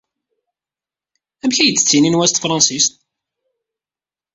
Amek ay d-ttinin wa s tefṛensist?